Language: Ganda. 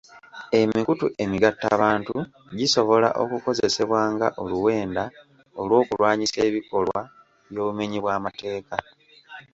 Emikutu emigattabantu gisobola okukozesebwa nga oluwenda olw'okulwanyisa ebikolwa by'obumenyi bw'amateeka.